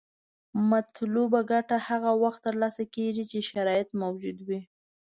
مطلوبه ګټه هغه وخت تر لاسه کیږي چې شرایط موجود وي.